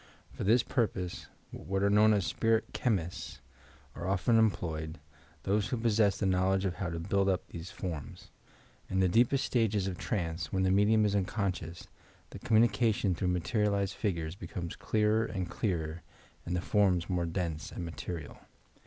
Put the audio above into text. For this purpose what are known as "spirit chemists" are often employed, those who possess the knowledge of how to build up these forms. In the deepest stages of trance, when the medium is unconscious, the communication through materialized figures becomes clearer and clearer and the forms more dense and material.